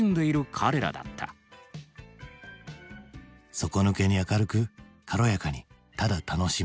底抜けに明るく軽やかにただ楽しむ。